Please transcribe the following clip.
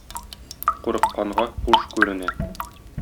Курыкканга куш күренә.